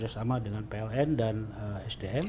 sama dengan pln dan sdm